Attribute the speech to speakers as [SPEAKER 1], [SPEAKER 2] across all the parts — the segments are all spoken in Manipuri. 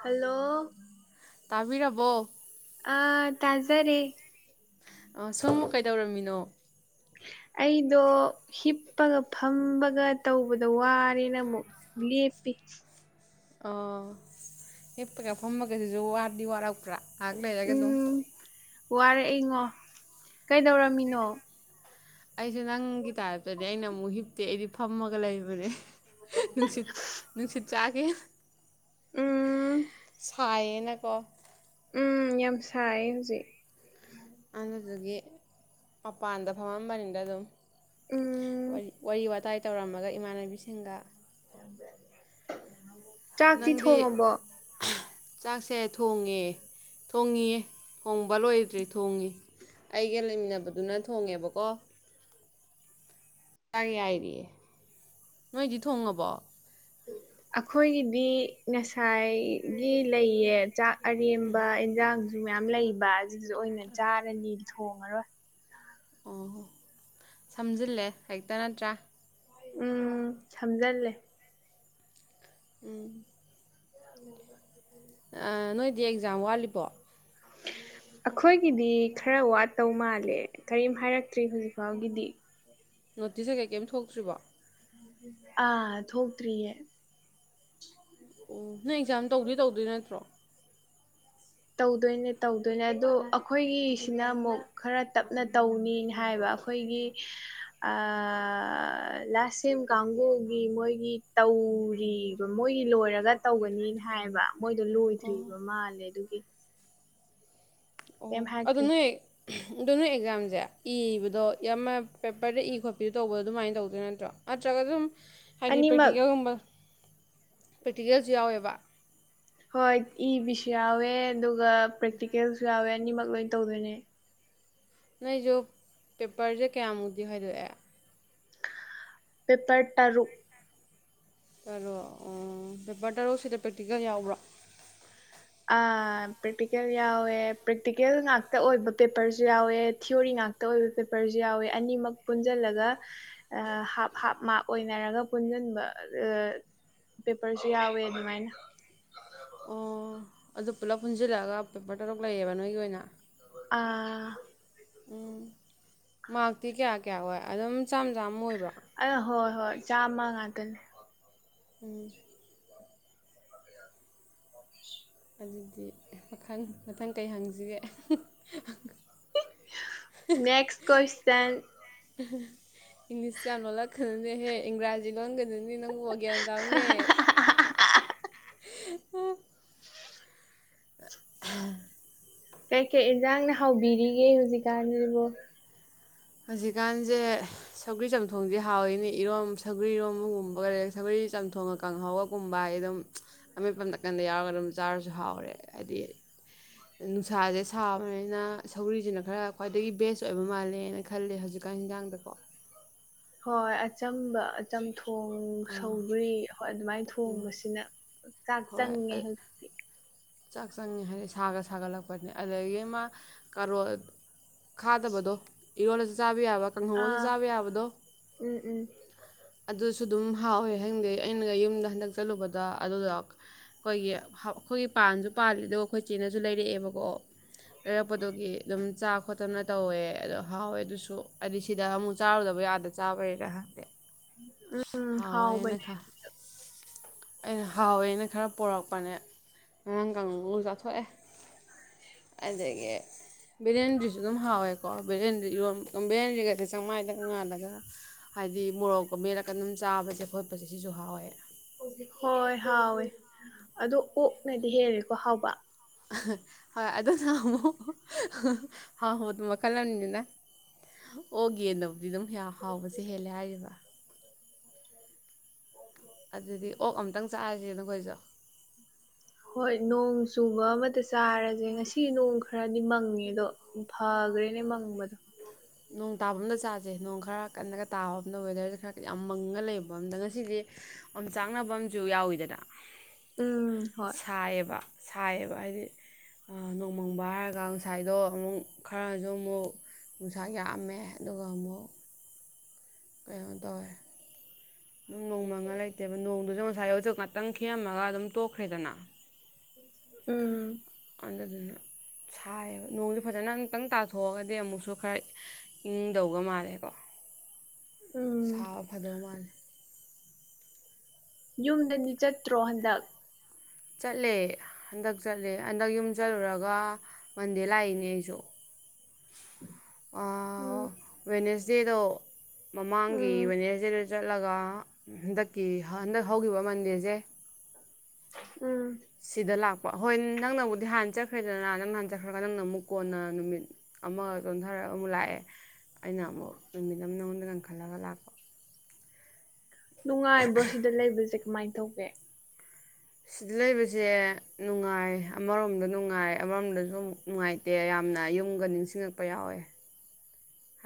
[SPEAKER 1] ꯍꯜꯂꯣ
[SPEAKER 2] ꯇꯥꯕꯤꯔꯕꯣ
[SPEAKER 1] ꯑꯥ ꯇꯥꯖꯥꯔꯦ
[SPEAKER 2] ꯑꯥ ꯁꯣꯝ ꯀꯩꯗꯧꯔꯝꯃꯤꯅꯣ
[SPEAKER 1] ꯑꯩꯗꯣ ꯍꯤꯞꯄꯒ ꯐꯝꯕꯒ ꯇꯧꯕꯗ ꯋꯥꯔꯦꯅ ꯑꯃꯨꯛ ꯂꯦꯞꯄꯤ
[SPEAKER 2] ꯑꯣ ꯍꯤꯞꯄꯒ ꯐꯝꯕꯒꯁꯤꯁꯨ ꯋꯥꯕꯗꯤ ꯋꯥꯔꯛꯄ꯭ꯔꯥ ꯉꯥꯏꯍꯥꯛ ꯂꯩꯔꯒ ꯑꯗꯨꯝ
[SPEAKER 1] ꯎꯝ ꯋꯥꯔꯛꯏꯉꯣ ꯀꯩꯗꯧꯔꯝꯃꯤꯅꯣ
[SPEAKER 2] ꯑꯩꯁꯨ ꯅꯪꯒꯤ ꯇꯥꯏꯞꯇꯅꯦ ꯑꯩꯅ ꯑꯃꯨꯛ ꯍꯤꯞꯇꯦ ꯑꯩꯗꯤ ꯐꯝꯃꯒ ꯂꯩꯕꯅꯦ ꯅꯨꯡꯁꯤꯠ ꯅꯨꯡꯁꯤꯠ ꯆꯥꯒꯦ
[SPEAKER 1] ꯎꯝ
[SPEAKER 2] ꯁꯥꯏꯌꯦꯅꯀꯣ
[SPEAKER 1] ꯎꯝ ꯌꯥꯝ ꯁꯥꯏꯌꯦ ꯍꯧꯖꯤꯛ
[SPEAKER 2] ꯑꯗꯨꯗꯨꯒꯤ ꯃꯄꯥꯟꯗ ꯐꯝꯃꯝꯕꯅꯤꯗ ꯑꯗꯨꯝ
[SPEAKER 1] ꯎꯝ
[SPEAKER 2] ꯋꯥꯔꯤ ꯋꯥꯔꯤ ꯋꯥꯇꯥꯏ ꯇꯧꯔꯝꯃꯒ ꯏꯃꯥꯟꯅꯕꯤꯁꯤꯡꯒ
[SPEAKER 1] [unintelligible]
[SPEAKER 2] ꯅꯪꯗꯤ
[SPEAKER 1] ꯊꯣꯡꯉꯕꯣ
[SPEAKER 2] ꯆꯥꯛꯁꯦ ꯊꯣꯡꯉꯦ ꯊꯣꯡꯉꯤꯌꯦ ꯊꯣꯡꯕ ꯂꯣꯏꯗ꯭ꯔꯤ ꯊꯣꯡꯉꯤ ꯑꯩꯒ ꯂꯩꯃꯤꯟꯅꯕꯗꯨꯅ ꯊꯣꯡꯉꯦꯕꯀꯣ ꯆꯥꯛ ꯌꯥꯏꯔꯤꯌꯦ ꯅꯣꯏꯗꯤ ꯊꯣꯡꯉꯕꯣ
[SPEAKER 1] ꯑꯈꯣꯏꯒꯤꯗꯤ ꯉꯁꯥꯏꯒꯤ ꯂꯩꯌꯦ ꯆꯥꯛ ꯑꯔꯦꯝꯕ ꯏꯟꯖꯥꯡꯖꯨ ꯃꯌꯥꯝ ꯂꯩꯕ ꯑꯗꯨꯖꯨ ꯑꯣꯏꯅ ꯆꯥꯔꯅꯤ ꯊꯣꯡꯉꯔꯣꯏ
[SPEAKER 2] ꯑꯣꯍꯣ ꯁꯝꯖꯤꯜꯂꯦ ꯍꯦꯛꯇ ꯅꯠꯇ꯭ꯔꯥ
[SPEAKER 1] ꯎꯝ ꯁꯝꯖꯜꯂꯦ
[SPEAKER 2] ꯎꯝ
[SPEAKER 1] [unintelligible]
[SPEAKER 2] ꯑꯥ ꯅꯣꯏꯗꯤ ꯑꯦꯛꯖꯥꯝ ꯋꯥꯠꯂꯤꯕꯣ
[SPEAKER 1] ꯑꯈꯣꯏꯒꯤꯗꯤ ꯈꯔ ꯋꯥꯠꯇꯧ ꯃꯥꯜꯂꯦ ꯀꯔꯤꯝ ꯍꯥꯏꯔꯛꯇ꯭ꯔꯤ ꯍꯧꯖꯤꯛꯐꯥꯎꯒꯤꯗꯤ
[SPEAKER 2] ꯅꯣꯇꯤꯁ ꯀꯩ ꯀꯩ ꯀꯩꯝ ꯊꯣꯛꯇ꯭ꯔꯤꯕꯣ
[SPEAKER 1] ꯑꯥ ꯊꯣꯛꯇ꯭ꯔꯤꯌꯦ
[SPEAKER 2] ꯑꯣ ꯅꯣꯏ ꯑꯦꯛꯖꯥꯝ ꯇꯧꯗꯤ ꯇꯧꯗꯣꯏ ꯅꯠꯇ꯭ꯔꯣ
[SPEAKER 1] ꯇꯧꯗꯣꯏꯅꯦ ꯇꯧꯗꯣꯏꯅꯦ ꯑꯗꯨ ꯑꯈꯣꯏꯒꯤꯁꯤꯅ ꯑꯃꯨꯛ ꯈꯔ ꯇꯞꯅ ꯇꯧꯅꯤꯅ ꯍꯥꯏꯕ ꯑꯈꯣꯏꯒꯤ ꯑꯥ ꯂꯥꯁ ꯁꯦꯝ ꯀꯥꯡꯕꯨꯒꯤ ꯃꯣꯏꯒꯤ ꯇꯧꯔꯤ ꯃꯣꯏꯒꯤ ꯂꯣꯏꯔꯒ ꯇꯧꯒꯅꯤꯅ ꯍꯥꯏꯕ ꯃꯣꯏꯗꯣ
[SPEAKER 2] ꯑꯣ
[SPEAKER 1] ꯂꯣꯏꯗ꯭ꯔꯤꯕ ꯃꯥꯜꯂꯦ ꯑꯗꯨꯒꯤ
[SPEAKER 2] ꯑꯣ
[SPEAKER 1] ꯀꯩꯝ
[SPEAKER 2] ꯑꯗꯨ
[SPEAKER 1] ꯍꯥꯏꯔꯛꯇ꯭ꯔꯤ
[SPEAKER 2] ꯅꯣꯏ ꯗꯣ ꯅꯣꯏ ꯑꯦꯛꯖꯥꯝꯖꯦ ꯏꯕꯗꯣ ꯌꯥꯝꯃ ꯄꯦꯄꯔꯗ ꯏ ꯈꯣꯠꯄꯤꯗꯣ ꯇꯧꯕꯗꯣ ꯑꯗꯨꯃꯥꯏꯅ ꯇꯧꯗꯣꯏ ꯅꯠꯇ꯭ꯔꯣ ꯅꯠꯇ꯭ꯔꯒ ꯑꯗꯨꯝ ꯍꯥꯏꯗꯤ
[SPEAKER 1] ꯑꯅꯤꯃꯛ
[SPEAKER 2] ꯄ꯭ꯔꯦꯛꯇꯤꯀꯦꯜꯒꯨꯝꯕ ꯄ꯭ꯔꯦꯛꯇꯤꯀꯦꯜꯖꯨ ꯌꯥꯎꯋꯦꯕ
[SPEAKER 1] ꯍꯣꯏ ꯏ ꯕꯤꯁꯨ ꯌꯥꯎꯋꯦ ꯑꯗꯨꯒ ꯄ꯭ꯔꯦꯛꯇꯤꯀꯦꯜꯁꯨ ꯌꯥꯎꯋꯦ ꯑꯅꯤꯃꯛ ꯂꯣꯏ ꯇꯧꯗꯣꯏꯅꯦ
[SPEAKER 2] ꯅꯣꯏꯖꯨ ꯄꯦꯄꯔꯖꯦ ꯀꯌꯥꯃꯨꯛꯇꯤ ꯈꯥꯏꯗꯣꯛꯑꯦ
[SPEAKER 1] ꯄꯦꯄꯔ ꯇꯔꯨꯛ
[SPEAKER 2] ꯇꯔꯨꯛ ꯎꯝ ꯄꯦꯄꯔ ꯇꯔꯨꯛꯁꯤꯗ ꯄ꯭ꯔꯦꯛꯇꯤꯀꯦꯜ ꯌꯥꯎꯕ꯭ꯔꯣ
[SPEAKER 1] ꯑꯥ ꯄ꯭ꯔꯦꯛꯇꯤꯀꯦꯜ ꯌꯥꯎꯋꯦ ꯄ꯭ꯔꯦꯛꯇꯤꯀꯦꯜ ꯉꯥꯛꯇ ꯑꯣꯏꯕ ꯄꯦꯄꯔꯖꯨ ꯌꯥꯎꯋꯦ ꯊꯤꯑꯣꯔꯤ ꯉꯥꯛ ꯇ ꯑꯣꯏꯕ ꯄꯦꯄꯔꯖꯨ ꯌꯥꯎꯋꯦ ꯑꯅꯤꯃꯛ ꯄꯨꯟꯖꯜꯂꯒ ꯑꯥ ꯍꯥꯞ ꯍꯥꯞ ꯃꯥꯛ ꯑꯣꯏꯅꯔꯒ ꯄꯨꯟꯁꯤꯟꯕ ꯑꯥ ꯄꯦꯄꯔꯖꯨ ꯌꯥꯎꯋꯦ ꯑꯗꯨꯃꯥꯏꯅ
[SPEAKER 2] ꯑꯣ ꯑꯗꯨ ꯄꯨꯂꯞ ꯄꯨꯟꯖꯤꯜꯂꯛꯑꯒ ꯄꯦꯄꯔ ꯇꯔꯨꯛ ꯂꯩꯌꯦꯕ ꯅꯣꯏꯒꯤ ꯑꯣꯏꯅ
[SPEAKER 1] ꯑꯥ
[SPEAKER 2] ꯎꯝ ꯃꯥꯛꯇꯤ ꯀꯌꯥ ꯀꯌꯥ ꯑꯣꯏ ꯑꯗꯨꯝ ꯆꯥꯝ ꯆꯥꯝ ꯑꯣꯏꯕ꯭ꯔꯣ
[SPEAKER 1] [unintelligible] ꯍꯣꯏ ꯍꯣꯏ ꯆꯥꯝꯃ ꯉꯥꯛꯇꯅꯦ
[SPEAKER 2] ꯎꯝ
[SPEAKER 1] [unintelligible]
[SPEAKER 2] ꯑꯗꯨꯗꯤ ꯃꯈꯪ ꯃꯊꯪ ꯀꯩ ꯍꯪꯖꯤꯒꯦ
[SPEAKER 1] [unintelligible] ꯅꯦꯛꯁ ꯀꯣꯏꯁꯟ
[SPEAKER 2] ꯏꯪꯂꯤꯁ ꯌꯥꯝ ꯂꯣꯜꯂꯛꯀꯅꯨꯅꯦꯍꯦ ꯏꯪꯒ꯭ꯔꯥꯖꯤ ꯂꯣꯟꯒꯅꯨ ꯅꯦ ꯅꯪꯕꯣ ꯒ꯭ꯌꯥꯟ ꯇꯥꯎꯅꯦ [unintelligible] [unintelligible]
[SPEAKER 1] ꯀꯩ ꯀꯩ ꯏꯟꯖꯥꯡꯅ ꯍꯥꯎꯕꯤꯔꯤꯒꯦ ꯍꯧꯖꯤꯛ ꯀꯥꯟꯖꯤꯕꯣ
[SPEAKER 2] ꯍꯧꯖꯤꯛꯀꯥꯟꯖꯦ ꯁꯧꯒꯔꯤ ꯆꯝꯊꯣꯡꯁꯦ ꯍꯥꯎꯏꯅꯦ ꯏꯔꯣꯝ ꯁꯧꯒꯔꯤ ꯏꯔꯣꯝꯒꯨꯝꯕꯒ ꯂꯩꯔ ꯁꯧꯒꯔꯤ ꯆꯝꯊꯣꯡ ꯀꯥꯡꯍꯧꯕꯒꯨꯝꯕ ꯑꯩ ꯑꯗꯨꯝ ꯑꯃꯦꯠꯄ ꯅꯥꯀꯟꯗ ꯌꯥꯎꯔꯒ ꯑꯗꯨꯝ ꯆꯥꯔꯁꯨ ꯍꯥꯎꯈꯔꯦ ꯍꯥꯏꯗꯤ ꯅꯨꯡꯁꯥꯁꯦ ꯁꯥꯕꯅꯤꯅ ꯁꯧꯒꯔꯤꯁꯤꯅ ꯈꯔ ꯈ꯭ꯋꯥꯏꯗꯒꯤ ꯕꯦꯁ ꯑꯣꯏꯕ ꯃꯥꯜꯂꯦꯅ ꯈꯜꯂꯦ ꯍꯧꯖꯤꯛꯀꯥꯟ ꯍꯤꯟꯖꯥꯡꯗꯀꯣ
[SPEAKER 1] ꯍꯣꯏ ꯑꯆꯝꯕ ꯑꯆꯝ ꯊꯣꯡ
[SPEAKER 2] ꯑꯥ
[SPEAKER 1] ꯁꯧꯒ꯭ꯔꯤ ꯍꯣꯏ ꯑꯗꯨꯃꯥꯏ
[SPEAKER 2] ꯎꯝ
[SPEAKER 1] ꯊꯣꯡꯕꯁꯤꯅ ꯆꯥꯛ
[SPEAKER 2] ꯍꯣꯏ
[SPEAKER 1] ꯆꯪꯉꯦ ꯍꯧ
[SPEAKER 2] ꯆꯥꯛ ꯆꯪꯉꯤ ꯍꯥꯏꯗꯤ ꯁꯥꯒ ꯁꯥꯒꯠꯂꯛꯄꯅꯤ ꯑꯗꯨꯗꯒꯤ ꯃꯥ ꯀꯔꯣꯠ ꯈꯥꯗꯕꯗꯣ ꯏꯔꯣꯜꯂꯁꯨ ꯆꯥꯕ ꯌꯥꯕ ꯀꯥꯡꯍꯧꯁꯨ
[SPEAKER 1] ꯑꯥ
[SPEAKER 2] ꯆꯥꯕ ꯌꯥꯕꯗꯣ
[SPEAKER 1] ꯎꯝ ꯎꯝ
[SPEAKER 2] ꯑꯗꯨꯁꯨ ꯑꯗꯨꯝ ꯍꯥꯎꯋꯦ ꯈꯪꯗꯦ ꯑꯩꯅꯒ ꯌꯨꯝꯗ ꯍꯟꯗꯛ ꯆꯠꯂꯨꯕꯗ ꯑꯗꯨꯗꯣ ꯑꯩꯈꯣꯏꯒꯤ ꯑꯩꯈꯣꯏꯒꯤ ꯄꯥꯟꯁꯨ ꯄꯥꯜꯂꯤ ꯑꯗꯨꯒ ꯑꯩꯈꯣꯏ ꯆꯦꯅꯁꯨ ꯂꯩꯔꯛꯑꯦꯕꯀꯣ ꯂꯩꯔꯛꯄꯗꯨꯒꯤ ꯑꯗꯨꯝ ꯆꯥ ꯈꯣꯠꯇꯅ ꯇꯧꯋꯦ ꯑꯗꯣ ꯍꯥꯎꯋꯦ ꯑꯗꯨꯁꯨ ꯍꯥꯏꯗꯤ ꯁꯤꯗ ꯑꯃꯨꯛ ꯆꯥꯔꯨꯗꯕ ꯑꯥꯗ ꯆꯥꯕꯩꯔ
[SPEAKER 1] [inaudible] ꯎꯝ ꯎꯝ ꯍꯥꯎꯕꯅꯦ
[SPEAKER 2] ꯍꯥꯎꯋꯦꯅ [unintelligible] ꯑꯩꯅ ꯍꯥꯎꯋꯦꯅ ꯈꯔ ꯄꯣꯔꯛꯄꯅꯦ ꯉꯔꯥꯡ ꯀꯥꯡꯍꯧ ꯉꯧꯔ ꯆꯥꯊꯣꯛꯑꯦ ꯑꯗꯒꯤ ꯕꯦꯂꯦꯟꯗꯔꯤꯗꯨꯁꯨ ꯑꯗꯨꯝ ꯍꯥꯎꯋꯦꯀꯣ ꯕꯦꯂꯦꯟꯗꯔꯤꯗꯨ ꯏꯔꯣꯟ ꯕꯦꯂꯦꯟꯗꯔꯤꯒꯁꯦ ꯆꯪꯃꯥꯏꯗ ꯉꯥꯜꯂꯒ ꯍꯥꯏꯗꯤ ꯃꯣꯔꯣꯛꯀ ꯃꯦꯔꯛꯀ ꯑꯗꯨꯝ ꯆꯥꯕꯁꯦ ꯈꯣꯠꯄꯁꯦ ꯁꯤꯁꯨ ꯍꯥꯎꯋꯦ
[SPEAKER 1] ꯍꯣꯏ ꯍꯥꯎꯋꯦ ꯑꯣ ꯑꯣꯛꯅꯗꯤ ꯍꯦꯜꯂꯦꯀꯣ ꯍꯥꯎꯕ
[SPEAKER 2] ꯍꯣꯏ ꯑꯗꯨꯅ ꯑꯃꯨꯛ ꯍꯥꯎꯕꯗꯣ ꯃꯈꯜ ꯑꯃꯅꯤꯗꯅ ꯑꯣꯛ ꯌꯦꯟꯅꯕꯨꯗꯤ ꯑꯗꯨꯝ ꯍꯥꯎꯕꯁꯦ ꯍꯦꯜꯂꯦ ꯍꯥꯏꯔꯤꯕ
[SPEAKER 1] [unintelligible]
[SPEAKER 2] ꯑꯗꯨꯗꯤ ꯑꯣꯛ ꯑꯃꯇꯪ ꯆꯥꯔꯁꯦꯅ ꯈꯣꯏꯁꯨ
[SPEAKER 1] ꯍꯣꯏ ꯅꯣꯡ ꯆꯨꯕ ꯑꯃꯇ ꯆꯥꯔꯁꯦ ꯉꯁꯤ ꯅꯣꯡ ꯈꯔꯗꯤ ꯃꯪꯉꯦ ꯑꯗꯣ ꯎ ꯐꯥꯒ꯭ꯔꯦꯅꯦ ꯃꯪꯕꯗꯣ
[SPEAKER 2] ꯅꯣꯡ ꯇꯥꯕ ꯑꯃꯝꯗ ꯆꯥꯥꯁꯦ ꯅꯣꯡ ꯈꯔ ꯀꯟꯅꯒ ꯇꯥꯕ ꯑꯝꯗ ꯋꯦꯗꯔꯁꯦ ꯈꯔ ꯌꯥꯝ ꯃꯪꯉ ꯂꯩꯕ ꯑꯝꯗ ꯉꯁꯤꯗꯤ ꯑꯣꯝ ꯆꯥꯛꯅꯕ ꯑꯝꯁꯨ ꯌꯥꯎꯋꯤꯗꯅ
[SPEAKER 1] ꯎꯝ ꯍꯣꯏ
[SPEAKER 2] ꯁꯥꯏꯌꯦꯕ ꯁꯥꯏꯌꯦꯕ ꯍꯥꯏꯗꯤ ꯅꯣꯡꯃꯪꯕ ꯍꯥꯏꯔꯒ ꯉꯁꯥꯏꯗꯣ ꯑꯃꯨꯛ ꯈꯔꯁꯨ ꯑꯃꯨꯛ ꯄꯅꯨꯡꯁꯥ ꯌꯥꯑꯝꯃꯦ ꯑꯗꯨꯒ ꯑꯃꯨꯛ [inaudible] ꯀꯩꯅꯣ ꯇꯧꯏ ꯑꯗꯨꯝ ꯅꯣꯡꯃꯪꯒ ꯂꯩꯇꯦꯕ ꯅꯣꯡꯗꯨꯁꯨ ꯉꯁꯥꯏ ꯍꯧꯖꯤꯛ ꯉꯥꯛꯇꯪ ꯈꯤꯛꯑꯃꯒ ꯑꯗꯨꯝ ꯇꯣꯛꯈ꯭ꯔꯦꯗꯅ
[SPEAKER 1] ꯎꯝ
[SPEAKER 2] ꯑꯗꯨꯗꯨꯅ ꯁꯥꯏꯌꯦꯕ ꯅꯣꯡꯁꯦ ꯐꯖꯅ ꯑꯃꯨꯛꯇꯪ ꯇꯥꯊꯣꯛꯑꯒꯗꯤ ꯑꯃꯨꯛꯁꯨ ꯈꯔ ꯏꯪꯗꯧꯕꯒ ꯃꯥꯜꯂꯦꯀꯣ
[SPEAKER 1] ꯎꯝ
[SPEAKER 2] ꯁꯥꯕ ꯐꯗꯧ ꯃꯥꯜꯂꯦ
[SPEAKER 1] ꯌꯨꯝꯗꯗꯤ ꯆꯠꯇ꯭ꯔꯣ ꯍꯟꯗꯛ
[SPEAKER 2] ꯆꯠꯂꯦ ꯍꯟꯗꯛ ꯆꯠꯂꯦ ꯍꯟꯗꯛ ꯌꯨꯝ ꯆꯠꯂꯨꯔꯒ ꯃꯟꯗꯦ ꯂꯏꯅꯤ ꯑꯩꯁꯨ
[SPEAKER 1] ꯎꯝ
[SPEAKER 2] ꯋꯦꯅꯦꯁꯗꯦꯗꯣ ꯃꯃꯥꯡꯒꯤ
[SPEAKER 1] ꯎꯝ
[SPEAKER 2] ꯋꯦꯅꯦꯁꯗꯦꯗ ꯆꯠꯂꯒ ꯍꯟꯗꯛꯀꯤ ꯍꯟꯗꯛ ꯍꯧꯈꯤꯕ ꯃꯟꯗꯦꯁꯦ
[SPEAKER 1] ꯎꯝ
[SPEAKER 2] ꯁꯤꯗ ꯂꯥꯛꯄ ꯍꯣꯏ ꯅꯪꯅꯕꯨꯗꯤ ꯍꯥꯟꯅ ꯆꯠꯈ꯭ꯔꯦꯗꯅ ꯅꯪ ꯍꯥꯟ ꯆꯠꯈ꯭ꯔꯒ ꯅꯪꯅ ꯑꯃꯨꯛ ꯀꯣꯟꯅ ꯅꯨꯃꯤꯠ ꯑꯃꯒ ꯆꯣꯟꯊꯔꯒ ꯑꯃꯨꯛ ꯂꯥꯛꯑꯦ ꯑꯩꯅ ꯑꯃꯨꯛ ꯅꯨꯃꯤꯠ ꯑꯃ ꯅꯉꯣꯟꯗ ꯀꯟꯈꯠꯂꯒ ꯂꯥꯛꯄ
[SPEAKER 1] ꯅꯨꯡꯉꯥꯏꯕ꯭ꯔꯣ ꯁꯤꯗ ꯂꯩꯕꯁꯦ ꯀꯃꯥꯏꯅ ꯇꯧꯒꯦ
[SPEAKER 2] ꯁꯤꯗ ꯂꯩꯕꯁꯦ ꯅꯨꯡꯉꯥꯏ ꯑꯃꯔꯣꯝꯗ ꯅꯨꯡꯉꯥꯏ ꯑꯃꯔꯣꯝꯗꯁꯨ ꯑꯃꯨꯛ ꯅꯨꯡꯉꯥꯏꯇꯦ ꯌꯥꯝꯅ ꯌꯨꯝꯒ ꯅꯤꯡꯁꯤꯡꯉꯛꯄ ꯌꯥꯎꯋꯦ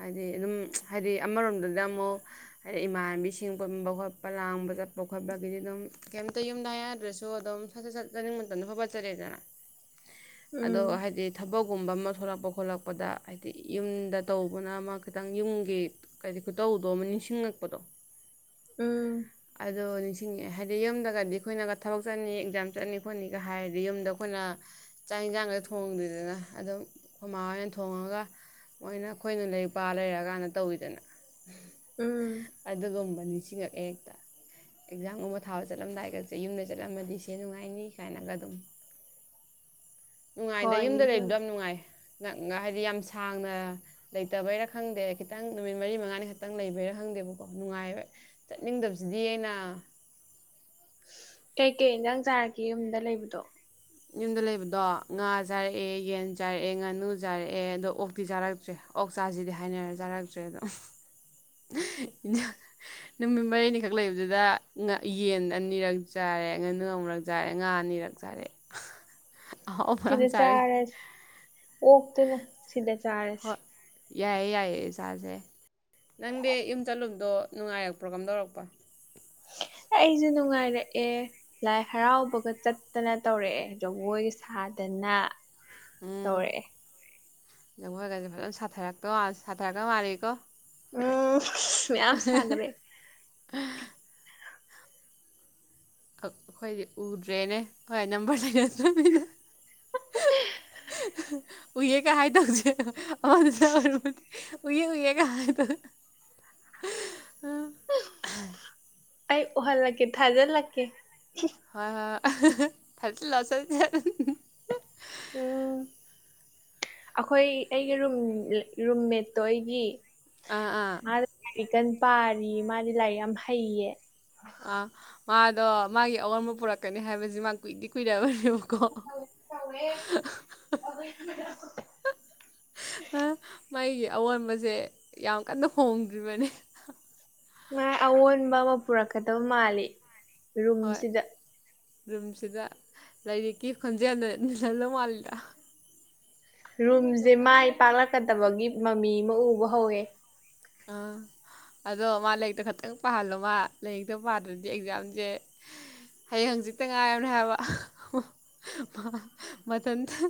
[SPEAKER 2] ꯍꯥꯏꯗꯤ ꯑꯗꯨꯝ ꯍꯥꯏꯗꯤ ꯑꯃꯔꯣꯝꯗꯗ ꯑꯃꯨꯛ ꯍꯥꯏꯗꯤ ꯏꯃꯥꯟꯅꯕꯤꯁꯤꯡ ꯄꯨꯟꯕ ꯈꯣꯠꯄ ꯂꯥꯡꯕ ꯆꯠꯄ ꯈꯣꯠꯄꯒꯤꯗꯤ ꯑꯗꯨꯝ ꯀꯦꯝꯇ ꯌꯨꯝꯗ ꯍꯥꯏꯅꯥꯗ꯭ꯔꯁꯨ ꯑꯗꯨꯝ ꯐꯖꯠ ꯆꯠ ꯆꯅꯤꯡ ꯃꯇꯝꯗ ꯐꯠꯆꯔꯦꯗꯅ
[SPEAKER 1] [inaudible]
[SPEAKER 2] ꯑꯗꯣ
[SPEAKER 1] ꯎꯝ
[SPEAKER 2] ꯍꯥꯏꯗꯤ ꯊꯕꯛꯒꯨꯝꯕ ꯑꯃ ꯊꯣꯛꯂꯛꯄ ꯈꯣꯠꯂꯛꯄꯗ ꯍꯥꯏꯗꯤ ꯌꯨꯝꯗ ꯇꯧꯕꯅ ꯑꯃ ꯈꯤꯇꯪ ꯌꯨꯝꯒꯤ ꯀꯔꯤ ꯈꯨꯇꯧꯗꯣ ꯑꯃ ꯅꯤꯡꯁꯤꯡꯉꯛꯄꯗꯣ
[SPEAKER 1] ꯎꯝ
[SPEAKER 2] ꯑꯗꯣ ꯅꯤꯡꯁꯤꯡꯉꯛꯑꯦ ꯍꯥꯏꯗꯤ ꯌꯨꯝꯗꯒꯗꯤ ꯑꯩꯈꯣꯏꯅꯒ ꯊꯕꯛ ꯆꯠꯅꯤ ꯑꯦꯛꯖꯥꯝ ꯆꯠꯅꯤ ꯈꯣꯠꯅꯤꯒ ꯍꯥꯏꯔꯗꯤ ꯌꯨꯝꯗ ꯑꯩꯈꯣꯏꯅ ꯆꯥꯛ ꯌꯦꯟꯁꯥꯡꯗ ꯊꯣꯡꯗꯦꯗꯅ ꯑꯗꯨꯝ ꯑꯩꯈꯣꯏꯃꯥ ꯍꯣꯏꯅ ꯊꯣꯡꯉꯒ ꯃꯣꯏꯅ ꯑꯩꯈꯣꯏꯅ ꯂꯔꯤꯛ ꯄ ꯂꯩꯔꯛꯀꯥꯟꯗ ꯇꯧꯋꯤꯗꯅ
[SPEAKER 1] ꯎꯝ
[SPEAKER 2] ꯑꯩꯗꯨꯒꯨꯝꯕ ꯅꯤꯁꯤꯡꯈꯛꯑ ꯍꯦꯛꯇ ꯑꯦꯛꯖꯥꯝꯒꯨꯝꯕ ꯊꯥꯕ ꯆꯠꯂꯝꯗꯥꯏꯒꯁꯦ ꯌꯨꯝꯗ ꯆꯠꯂꯝꯃꯗꯤ ꯁꯤ ꯅꯨꯡꯉꯥꯏꯅꯤ ꯀꯥꯏꯅꯒ ꯑꯗꯨꯝ
[SPEAKER 1] [inaudible]
[SPEAKER 2] ꯅꯨꯡꯉꯥꯏꯗ
[SPEAKER 1] ꯍꯣꯏ
[SPEAKER 2] ꯌꯨꯝꯗ ꯂꯩꯕꯗꯣ
[SPEAKER 1] ꯅꯤꯡꯁꯤꯡꯉꯦ
[SPEAKER 2] ꯌꯥꯝ ꯅꯨꯡꯉꯥꯏ ꯍꯥꯏꯗꯤ ꯌꯥꯝ ꯁꯥꯡꯅ ꯂꯩꯇꯕꯩꯔꯥ ꯈꯪꯗꯦ ꯈꯤꯇꯪ ꯅꯨꯃꯤꯠ ꯃꯔꯤ ꯃꯉꯥꯅꯤ ꯈꯛꯇꯪ ꯂꯩꯕꯩꯔꯥ ꯈꯪꯗꯦꯕꯀꯣ ꯅꯨꯡꯉꯥꯏꯕ ꯆꯠꯅꯤꯡꯗꯕꯁꯤꯗꯤ ꯑꯩꯅ
[SPEAKER 1] ꯀꯩꯀꯩ ꯏꯟꯖꯥꯡ ꯆꯥꯔꯛꯀꯦ ꯌꯨꯝꯗ ꯂꯩꯕꯗꯣ
[SPEAKER 2] ꯌꯨꯝꯗ ꯂꯩꯕꯗꯣ ꯉꯥ ꯆꯥꯔꯛꯑꯦ ꯌꯦꯟ ꯆꯥꯔꯛꯑꯦ ꯉꯥꯅꯨ ꯆꯥꯔꯛꯑꯦ ꯑꯗꯣ ꯑꯣꯛꯇꯤ ꯆꯥꯔꯛꯇ꯭ꯔꯦ ꯑꯣꯛ ꯆꯥꯁꯤꯗꯤ ꯍꯥꯏꯅꯔ ꯆꯥꯔꯛꯇ꯭ꯔꯦ ꯑꯗꯣ ꯏ ꯅꯨꯃꯤꯠ ꯃꯔꯤꯅꯤꯈꯛ ꯂꯩꯕꯗꯨꯗ ꯌꯦꯟ ꯑꯅꯤꯔꯛ ꯆꯥꯔꯦ ꯉꯥꯅꯨ ꯑꯃꯨꯔꯛ ꯆꯥꯔꯦ ꯉꯥ ꯑꯅꯤꯔꯛ ꯆꯥꯔꯦ
[SPEAKER 1] [inaudible]
[SPEAKER 2] ꯑꯍꯥꯎꯕ
[SPEAKER 1] ꯁꯤꯗ
[SPEAKER 2] ꯌꯥꯝ ꯆꯥꯔꯦ
[SPEAKER 1] ꯆꯥꯔꯁꯤ ꯑꯣꯛꯇꯨꯅ ꯁꯤꯗ ꯆꯥꯔꯁꯤ
[SPEAKER 2] ꯍꯣꯏ ꯌꯥꯏꯌꯦ ꯌꯥꯏꯌꯦ ꯆꯥꯥꯁꯦ ꯅꯪꯗꯤ ꯌꯨꯝ ꯆꯠꯂꯨꯝꯗꯣ ꯅꯨꯡꯉꯥꯏꯔꯛꯄ꯭ꯔꯣ ꯀꯝ ꯗꯧꯔꯛꯄ
[SPEAKER 1] ꯑꯦ ꯑꯩꯁꯨ ꯅꯨꯡꯉꯥꯏꯔꯛꯑꯦ ꯂꯥꯏ ꯍꯔꯥꯎꯕꯒ ꯆꯠꯇꯅ ꯇꯧꯔꯛꯑꯦ ꯖꯒꯣꯏ ꯁꯥꯗꯅ ꯇꯧꯔꯛꯑꯦ꯫
[SPEAKER 2] ꯂꯉꯣꯏꯒꯁꯦ ꯐꯖꯅ ꯁꯥꯊꯔꯛꯇ ꯁꯥꯊꯔꯛꯇꯧ ꯃꯥꯜꯂꯤꯀꯣ
[SPEAKER 1] ꯎꯝ ꯃꯌꯥꯝꯁꯒ꯭ꯔꯦ
[SPEAKER 2] ꯑꯩꯈꯣꯏꯗꯤ ꯎꯗ꯭ꯔꯦꯅꯦ ꯍꯣꯏ ꯅꯝꯕꯔ ꯂꯩꯅ ꯇ꯭ꯔꯃꯤꯅ
[SPEAKER 1] [unintelligible]
[SPEAKER 2] ꯎꯌꯦ ꯀ ꯍꯥꯏ ꯇ ꯍꯧꯦꯖ꯫ ꯎ ꯎꯏꯦꯒ ꯍꯥꯏꯗ
[SPEAKER 1] ꯑꯩ ꯑꯣꯍꯜ ꯂꯀꯦ ꯊꯥꯖꯜ ꯂꯛꯀꯦ꯫
[SPEAKER 2] [unintelligible]
[SPEAKER 1] ꯑꯣ ꯑꯩꯈꯣꯏ ꯑꯩꯒꯤ ꯔꯨꯝꯃꯦꯠꯇꯣ ꯑꯩꯒꯤ
[SPEAKER 2] ꯑꯥ ꯑꯥ
[SPEAKER 1] ꯃꯥ ꯂꯥꯏꯔꯤꯛ ꯀ ꯄꯥꯔꯤ ꯃꯥꯗꯤ ꯂꯥꯏꯔꯤꯛ ꯌꯥꯝ ꯍꯩꯌꯦ꯫
[SPEAKER 2] ꯑꯥ ꯃꯥꯗꯣ ꯃꯥꯒꯤ ꯑꯑꯣꯟꯕ ꯄꯨꯔꯛꯀꯅꯤ ꯍꯥꯏꯕꯁꯤ ꯃꯥ ꯀꯨꯏꯗꯤ ꯀꯨꯏꯔꯕꯅꯦꯕ
[SPEAKER 1] ꯋꯦ ꯇꯧꯋꯦ ꯑꯗꯨ
[SPEAKER 2] ꯃꯩꯒꯤ ꯑꯑꯣꯟꯕꯁꯦ ꯌꯥꯝ ꯀꯟꯅ ꯍꯣꯡꯗ꯭ꯔꯤꯕꯅꯤ꯫
[SPEAKER 1] ꯃꯥꯥꯏ ꯑꯑꯣꯟꯕ ꯑꯃ ꯄꯨꯔꯛꯀꯗꯕ ꯃꯥꯜꯂꯤ
[SPEAKER 2] ꯍꯣꯏ
[SPEAKER 1] ꯔꯨꯝꯁꯤꯗ
[SPEAKER 2] ꯔꯨꯝꯁꯤꯗ ꯂꯥꯏꯔꯤꯛꯀꯤ ꯈꯣꯟꯖꯦꯜꯗ ꯅꯤꯜꯍꯜꯂꯧ ꯃꯥꯜꯂꯤꯗ
[SPEAKER 1] ꯔꯨꯝꯁꯦ ꯃꯥꯏ ꯄꯥꯛꯂꯛꯀꯗꯕꯒꯤ ꯃꯃꯤ ꯑꯃ ꯎꯕ ꯍꯧꯋꯦ꯫
[SPEAKER 2] ꯑꯥ
[SPEAKER 1] [inaudible]
[SPEAKER 2] ꯑꯗꯣ ꯃꯥ ꯂꯥꯏꯔꯤꯛꯇ ꯈꯛꯇꯪ ꯄꯥꯍꯜꯂꯣ ꯃꯥ ꯂꯥꯏꯔꯤꯛꯇ ꯄꯥꯗ꯭ꯔꯗꯤ ꯑꯦꯛꯖꯥꯝꯁꯦ꯫ ꯍꯌꯦꯡ ꯍꯪꯆꯤꯛꯇ ꯉꯥꯏꯔꯕꯅꯦ ꯍꯥꯏꯕ ꯃꯇꯝꯊꯇ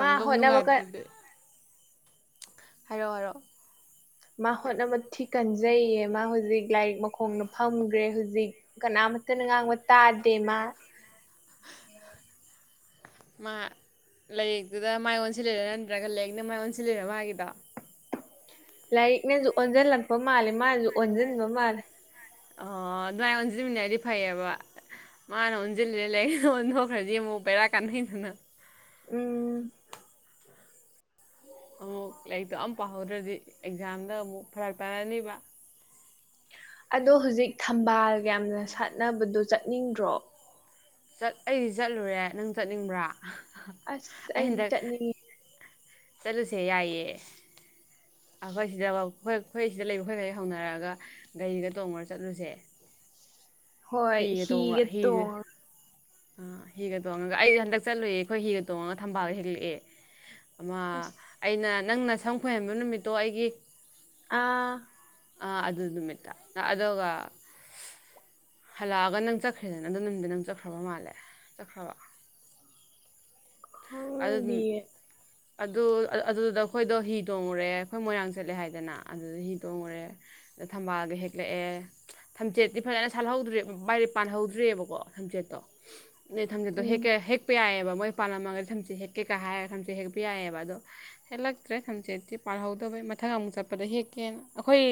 [SPEAKER 1] ꯃꯥ ꯍꯣꯠꯅꯕ ꯀꯟ
[SPEAKER 2] ꯅꯨꯡꯉꯥꯏꯔꯗꯨꯗꯦ꯫ ꯍꯥꯏꯔꯣꯑꯣ ꯍꯥꯏꯔꯣ꯫
[SPEAKER 1] ꯃꯥ ꯍꯣꯠꯅꯕ ꯊꯤ ꯀꯟꯖꯩꯌꯦ ꯃꯥ ꯍꯧꯖꯤꯛ ꯂꯥꯏꯔꯤꯛ ꯃꯈꯣꯡꯅ ꯐꯝꯈ꯭ꯔꯦ ꯍꯧꯖꯤꯛ ꯀꯅꯥ ꯃꯠꯇ ꯅ ꯉꯥꯡꯉ ꯃꯠꯇꯥꯗꯦꯃ [inaudible]
[SPEAKER 2] ꯃꯥ ꯂꯌꯦꯛꯇꯨꯗ ꯃꯥꯏ ꯑꯣꯟꯁꯤꯜꯂꯔ ꯅꯠꯇ꯭ꯔꯒ ꯂꯦꯛꯅ ꯃꯥꯏ ꯑꯣꯟꯁꯤꯂꯔ ꯃꯥꯒꯤꯗꯣ
[SPEAKER 1] ꯂꯥꯏꯔꯤꯛꯅꯁꯨ ꯑꯣꯟꯁꯤꯜꯂꯛꯄ ꯃꯥꯜꯂꯦ ꯃꯥꯅꯁꯨ ꯑꯣꯟꯁꯤꯟꯕ ꯃꯥꯜꯂꯦ꯫
[SPEAKER 2] ꯑꯣ ꯑꯗꯨꯥꯏ ꯑꯣꯟꯁꯤꯃꯤꯅꯔꯗꯤ ꯐꯩꯌꯦꯕ ꯃꯥꯅ ꯑꯣꯟꯖꯤꯟ ꯂꯩ ꯑꯣꯟꯊꯣꯛꯈ꯭ꯔꯗꯤ ꯕꯦꯔꯥ ꯀꯥꯟꯅꯩꯗ
[SPEAKER 1] ꯎꯝ
[SPEAKER 2] ꯑꯃꯨꯛ ꯂꯥꯏꯔꯤꯛꯇꯣ ꯑꯃꯝ ꯄꯥꯍꯧꯗ꯭ꯔꯗꯤ ꯑꯦꯛꯖꯥꯝꯗ ꯑꯃꯨꯛ ꯐꯔꯛ ꯇꯥꯅꯅꯤꯕ
[SPEAKER 1] ꯑꯗꯣ ꯍꯧꯖꯤꯛ ꯊꯝꯕꯥꯜꯒ ꯌꯥꯝꯅ ꯁꯥꯟꯅꯕꯗꯣ ꯆꯠꯅꯤꯡꯗ꯭ꯔꯣ
[SPEAKER 2] ꯆꯠ ꯑꯩꯗꯤ ꯆꯠꯂꯨꯔꯦ ꯅꯪ ꯆꯠꯅꯤꯡꯕ꯭ꯔꯥ
[SPEAKER 1] ꯑꯁ
[SPEAKER 2] ꯑꯩ
[SPEAKER 1] ꯑꯩꯗꯤ
[SPEAKER 2] ꯍꯟꯗꯛ
[SPEAKER 1] ꯆꯠꯅꯤꯡꯉꯦ
[SPEAKER 2] ꯆꯠꯂꯨꯁꯦ ꯌꯥꯏꯑꯦ꯫ ꯑꯩꯈꯣꯏ ꯁꯤꯗꯣꯏ ꯑꯩꯈꯣꯏ ꯁꯤꯗ ꯂꯩꯕ ꯑꯩꯈꯣꯏ ꯍꯧꯅꯔꯛꯑꯒ ꯒꯥꯔꯤꯒ ꯇꯣꯡꯉꯨꯔ ꯆꯠꯂꯨꯁꯦ꯫
[SPEAKER 1] ꯍꯣꯏ ꯍꯤꯒꯠꯇꯣ
[SPEAKER 2] ꯑꯥ ꯍꯤꯒ ꯇꯣꯡꯉꯒ ꯑꯩꯁꯨ ꯍꯟꯗꯛ ꯆꯠꯂꯨꯏ ꯑꯩꯈꯣꯏ ꯍꯒ ꯇꯣꯡꯉꯒ ꯊꯝꯕꯥꯜꯗ ꯍꯦꯜꯂꯛꯑꯦ꯫ ꯑꯃ
[SPEAKER 1] ꯑꯁ
[SPEAKER 2] ꯑꯩꯅ ꯅꯪꯅ ꯁꯝ ꯈꯣꯏꯍꯟꯕ ꯅꯨꯃꯤꯠꯇꯣ ꯑꯩꯒꯤ
[SPEAKER 1] ꯑꯥ
[SPEAKER 2] ꯑꯥ ꯑꯗꯨ ꯅꯨꯃꯤꯠꯇ ꯑꯗꯨꯒ ꯍꯜꯂꯛꯑꯒ ꯅꯪ ꯆꯠꯈ꯭ꯔꯦꯗꯅ ꯑꯗꯨ ꯅꯨꯗꯤ ꯅꯪ ꯆꯠꯈ꯭ꯔꯕ ꯃꯥꯜꯂꯦ ꯆꯠꯈ꯭ꯔꯕ ꯑꯗꯨ
[SPEAKER 1] ꯈꯪꯗꯤꯌꯦ
[SPEAKER 2] ꯑꯗꯨ ꯑꯗꯨꯗꯨꯗ ꯑꯩꯈꯣꯏꯗꯣ ꯍꯤ ꯇꯣꯡꯉꯨꯔꯦ ꯑꯩꯈꯣꯏ ꯃꯣꯏꯔꯥꯡ ꯆꯠꯂꯦ ꯍꯥꯏꯗꯅ ꯑꯗꯨꯗ ꯍꯤ ꯇꯣꯡꯉꯨꯔꯦ꯫ ꯊꯝꯕꯥꯜꯒ ꯍꯦꯛꯂꯛꯑꯦ꯫ ꯊꯝꯆꯦꯠꯇꯤ ꯐꯖꯅ ꯁꯥꯠꯍꯧꯗ꯭ꯔꯦ ꯕꯥꯏꯔꯦ ꯄꯥꯟꯍꯧꯗ꯭ꯔꯦꯑꯕꯀꯣ ꯊꯝꯆꯦꯠꯇꯣ ꯅꯣꯏ ꯊꯝꯆꯤꯠꯇꯣ
[SPEAKER 1] ꯎꯝ
[SPEAKER 2] ꯍꯦꯛꯀ ꯍꯦꯛꯄ ꯌꯥꯏꯑꯕ ꯃꯣꯏ ꯄꯥꯜꯂꯝꯃꯒꯗꯤ ꯊꯝꯆꯠ ꯍꯦꯛꯀꯦꯀꯥ ꯍꯥꯏꯔꯒ ꯊꯝꯆꯠ ꯍꯦꯛꯄ ꯌꯥꯏꯌꯦꯕ ꯑꯗꯣ ꯍꯦꯜꯂꯛꯇ꯭ꯔꯦ ꯁꯝꯆꯦꯠꯇꯤ ꯄꯥꯜꯍꯧꯗꯕꯩ ꯃꯊꯪ ꯑꯃꯨꯛ ꯆꯠꯄꯗ ꯍꯦꯛꯀꯦꯅ ꯑꯩꯈꯣꯏ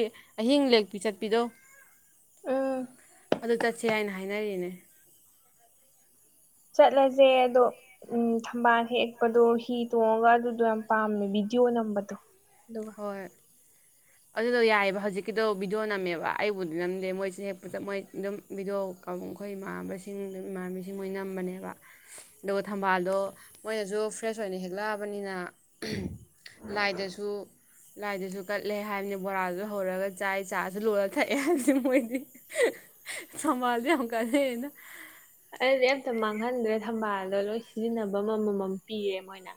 [SPEAKER 2] ꯑꯍꯤꯡ ꯂꯦꯛꯄꯤ ꯆꯠꯄꯤꯗꯣ
[SPEAKER 1] ꯎꯝ
[SPEAKER 2] ꯑꯗꯨ ꯆꯠꯁꯦ ꯍꯥꯏꯅ ꯍꯥꯏꯅꯔꯤꯅꯦ
[SPEAKER 1] ꯆꯠꯂꯖꯦ ꯑꯗꯣ ꯎꯝ ꯊꯝꯕꯥꯜ ꯍꯦꯛꯄꯗꯣ ꯍꯤ ꯇꯣꯡꯉꯒ ꯑꯗꯨꯗꯣ ꯌꯥꯝ ꯄꯥꯝꯃꯦ ꯚꯤꯗꯤꯑꯣ ꯅꯝꯕꯗꯣ ꯑꯗꯨꯒ
[SPEAKER 2] ꯍꯣꯏ ꯑꯗꯨꯗꯣ ꯌꯥꯏꯑꯕ ꯍꯧꯖꯤꯛꯀꯤꯗꯣ ꯚꯕꯤꯗꯤꯑꯣ ꯅꯝꯃꯦꯕ ꯑꯩꯕꯨꯗꯤ ꯅꯝꯗꯦ ꯃꯣꯏꯁꯦ ꯍꯦꯛꯄꯗ ꯃꯣꯏ ꯑꯗꯨꯝ ꯕꯤꯗꯣ ꯑꯩꯈꯣꯏ ꯏꯃꯥꯟꯅꯕꯁꯤꯡ ꯏꯃꯥꯟꯅꯕꯤꯁꯤꯡ ꯃꯣꯏ ꯅꯝꯕꯅꯦꯕ ꯑꯗꯨꯒ ꯊꯝꯕꯥꯜꯗꯣ ꯃꯣꯏꯅꯁꯨ ꯐ꯭ꯔꯦꯁ ꯑꯣꯏꯅ ꯍꯦꯛꯂꯛꯑꯕꯅꯤꯅ ꯂꯥꯏꯗꯁꯨ ꯂꯥꯏꯗꯁꯨ ꯀ ꯂꯩ ꯍꯥꯏꯕꯅꯤ ꯕꯣꯔꯥꯗꯨꯗ ꯍꯧꯔꯒ ꯆꯥꯏ ꯆꯥꯁꯨ ꯂꯣꯂ ꯊꯛꯑꯦ ꯍꯥꯏꯕꯗꯤ ꯃꯣꯏꯗꯤ ꯊꯝꯕꯥꯜꯗ ꯍꯧ ꯀꯗꯅ
[SPEAKER 1] ꯑꯩꯗꯤ ꯑꯝꯇ ꯃꯥꯡꯍꯟꯗ꯭ꯔꯦ ꯊꯝꯕꯥꯜꯗꯣ ꯂꯣꯏ ꯁꯤꯖꯤꯟꯅꯕ ꯑꯃꯃꯝ ꯄꯤꯔꯦ ꯃꯣꯏꯅ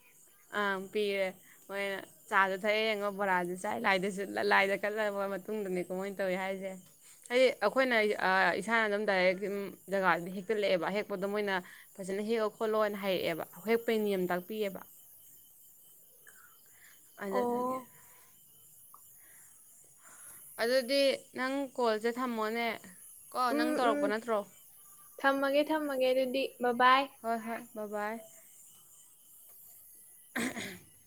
[SPEAKER 2] ꯑꯥ ꯄꯤꯔꯦ ꯃꯣꯏ ꯆꯥꯁꯨ ꯊꯛꯑꯦ ꯌꯦꯡꯉꯣ ꯕꯣꯔꯥꯁꯦ ꯆꯥꯏ ꯂꯥꯏꯗꯁꯨ ꯂꯥꯏꯗ ꯀꯠꯂꯔꯕ ꯃꯇꯨꯡꯗꯅꯦ ꯀꯃꯣꯏꯅ ꯇꯧꯏꯤ ꯍꯥꯏꯁꯦ ꯑꯩ ꯑꯩꯈꯣꯏꯅ ꯏꯁꯥꯅ ꯑꯗꯨꯝ ꯗꯥꯏꯔꯦꯛꯝ ꯖꯒꯥꯗ ꯍꯦꯛꯛꯇꯠꯂꯛꯑꯦꯕ ꯍꯦꯛꯄꯗ ꯃꯣꯏꯅ ꯐꯖꯅ ꯍꯦꯛꯂꯑꯣ ꯈꯣꯠꯂꯣꯅ ꯍꯥꯏꯔꯛꯑꯦꯕ ꯍꯦꯛꯄꯩ ꯅꯤꯌꯝ ꯇꯥꯛꯄꯤꯑꯕ ꯑꯗꯨꯗꯨꯒꯤ
[SPEAKER 1] ꯑꯣ
[SPEAKER 2] ꯑꯗꯨꯗꯤ ꯅꯪ ꯀꯣꯜꯖꯦ ꯊꯝꯃꯣꯅꯦ ꯀꯣ ꯅꯪ
[SPEAKER 1] ꯎꯝ ꯎꯝ
[SPEAKER 2] ꯇꯧꯔꯛꯄ ꯅꯠꯇ꯭ꯔꯣ
[SPEAKER 1] ꯊꯝꯃꯒꯦ ꯊꯝꯃꯒꯦ ꯑꯗꯨꯗꯤ ꯕꯥ ꯕꯥꯏ
[SPEAKER 2] ꯍꯣꯏ ꯍꯣꯏ ꯕꯥꯕꯥꯏ [unintelligible]